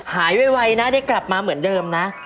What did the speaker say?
ไวนะได้กลับมาเหมือนเดิมนะ